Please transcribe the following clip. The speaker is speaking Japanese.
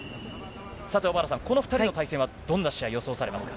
さて小原さん、この２人の対戦はどんな試合を予想されますか。